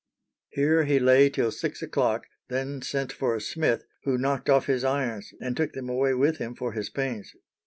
Here he lay till six o'clock, then sent for a smith, who knocked off his irons, and took them away with him for his pains.